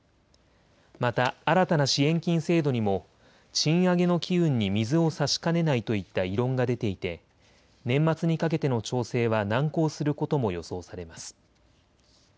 また新たな支援金制度にも賃上げの機運に水を差しかねないといった異論が出ていて年末にかけての調整は難航することも予想されます。